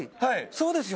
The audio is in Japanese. そうですよね？